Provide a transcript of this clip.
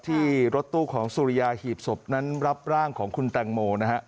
ที่รถตู้ของสุริยาหีบศพนั้นรับร่างของคุณแตงโมนะฮะ